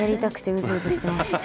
うずうずしてました？